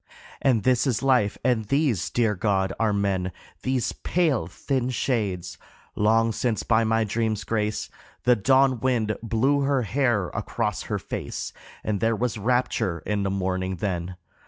And this is life and these, dear God, are men, These pale, thin shades ! Long since by my dream's grace The dawn wind blew her hair across her face, And there was rapture in the morning then.